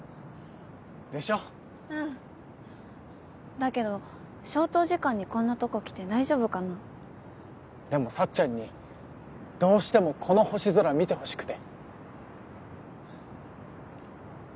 だけど消灯時間にこんなとこ来て大丈夫かな？でもさっちゃんにどうしてもこの星空見てほしくて。